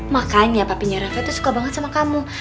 makanya papinya rafa itu suka banget sama kamu